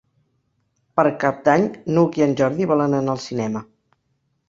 Per Cap d'Any n'Hug i en Jordi volen anar al cinema.